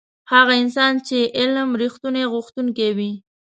هغه انسان چې علم رښتونی غوښتونکی وي.